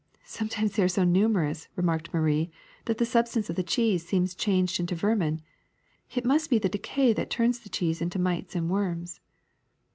''Sometimes they are so numerous," remarked Marie, ''that the substance of the cheese seems changed into vermin. It must be the decay that turns the cheese into mites and worms."